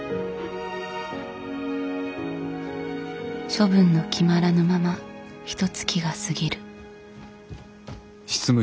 処分の決まらぬままひとつきが過ぎる。